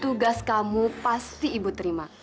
tugas kamu pasti ibu terima